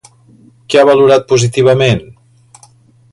Què ha valorat positivament?